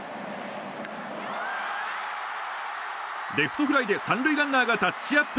レフトフライで３塁ランナーがタッチアップ。